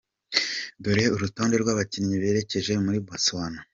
Dore urutonde rw’abakinnyi berekeje muri Botswana.